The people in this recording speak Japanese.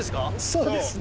そうですね。